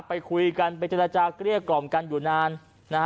ไปคุยกันไปเจรจากเรียกกล่อมกันอยู่นาน